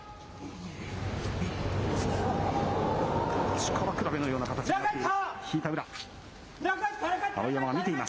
力比べのような形になっている。